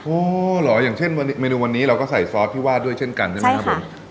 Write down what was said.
อ๋อเหรออย่างเช่นเมนูวันนี้เราก็ใส่ซอสที่วาดด้วยเช่นกันใช่ไหมครับผม